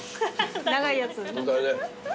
長いやつ。